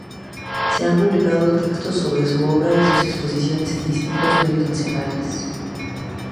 Se han publicado textos sobre su obra y exposiciones en distintos medios nacionales.